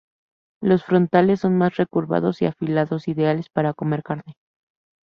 Los frontales son más recurvados y afilados, ideales para comer carne.